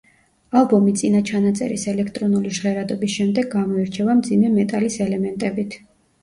ალბომი წინა ჩანაწერის ელექტრონული ჟღერადობის შემდეგ გამოირჩევა მძიმე მეტალის ელემენტებით.